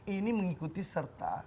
ini mengikuti serta